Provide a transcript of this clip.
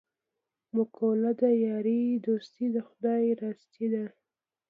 مقوله ده: یاري دوستي د خدای راستي ده.